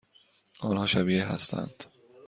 آنها شبیه هستند؟